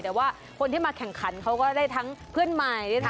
แต่ว่าคนที่มาแข่งขันเขาก็ได้ทั้งเพื่อนใหม่